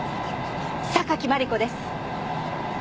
榊マリコです。